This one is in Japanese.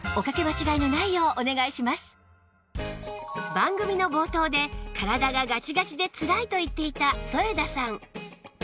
番組の冒頭で体がガチガチでつらいと言っていた添田さん